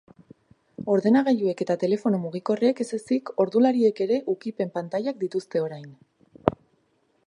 Ordenagailuek eta telefono mugikorrek ez ezik, ordulariek ere ukipen-pantailak dituzte orain.